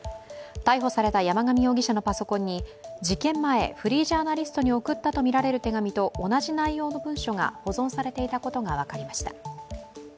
逮捕された山上容疑者のパソコンに、事件前、フリージャーナリストに送ったとみられる手紙と同じ内容の文書が保存されていたことが分かりました。